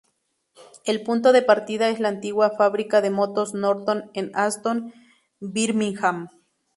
El punto de partida es la antigua fábrica de motos Norton en Aston, Birmingham.